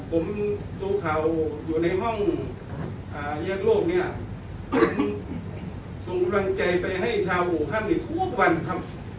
ผมรู้คราวอยู่ในห้องยักษ์โลกสงบรรยาณใจว่าไปให้ชาวอู่ห้ามทุกวันครับ